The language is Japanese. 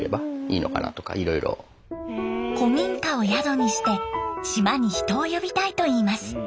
古民家を宿にして島に人を呼びたいといいます。